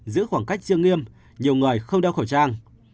giữ khoảng cách chưa nghiêm nhiều người không đeo khẩu trang